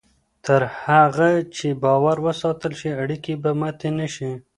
تر هغه چې باور وساتل شي، اړیکې به ماتې نه شي.